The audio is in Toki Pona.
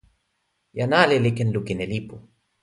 jan ale li ken lukin e lipu.